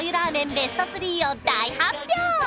ベスト３を大発表！